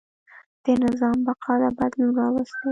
د نظام بقا دا بدلون راوستی.